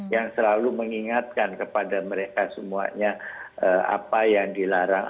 yang selalu mengingatkan kepada mereka semuanya apa yang dilarang